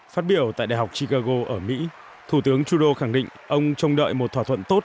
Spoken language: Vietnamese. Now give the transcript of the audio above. phát biểu tại đại học chigago ở mỹ thủ tướng trudeau khẳng định ông trông đợi một thỏa thuận tốt